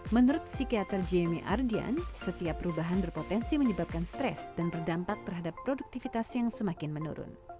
menurut psikiater jamie ardian setiap perubahan berpotensi menyebabkan stres dan berdampak terhadap produktivitas yang semakin menurun